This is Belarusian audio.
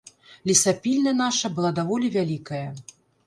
Лесапільня наша была даволі вялікая.